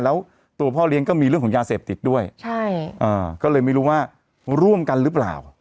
แล้วตัวพ่อเลี้ยงก็มีเรื่องของยาเสพติดด้วยใช่ก็เลยไม่รู้ว่าร่วมกันหรือเปล่า